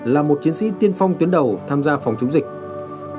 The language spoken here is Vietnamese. là một chiến sĩ tiên phong tuyến đầu tham gia phòng chống dịch